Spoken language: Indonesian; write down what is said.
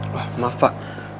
wah maaf pak